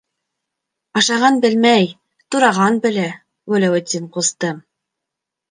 Ашаған белмәй, тураған белә, Вәләүетдин ҡустым.